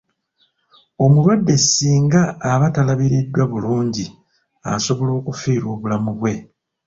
Omulwadde singa aba talabiriddwa bulungi asobola okufiirwa obulamu bwe.